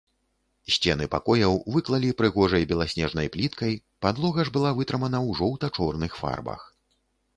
Сцены пакояў выклалі прыгожай беласнежнай пліткай, падлога ж была вытрымана ў жоўта-чорных фарбах.